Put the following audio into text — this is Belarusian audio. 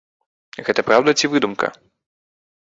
Гэта праўда ці выдумка?